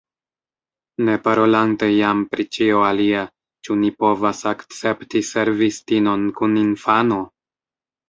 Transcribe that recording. Ne parolante jam pri ĉio alia, ĉu ni povas akcepti servistinon kun infano?